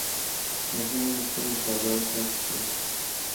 مهمه ده، تل وفادار پاتې شئ.